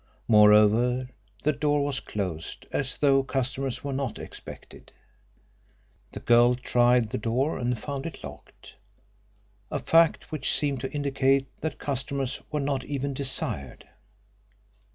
Moreover, the door was closed as though customers were not expected. The girl tried the door and found it locked a fact which seemed to indicate that customers were not even desired.